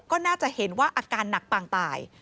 ก็น่าจะเห็นว่าอาการหนักปางตาย